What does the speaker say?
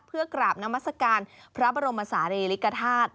เพื่อกราบน้ำมัสกาลพระบรมศาลิริกฐาศ